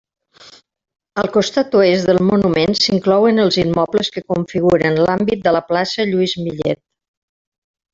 Al costat oest del monument s'inclouen els immobles que configuren l'àmbit de la plaça Lluís Millet.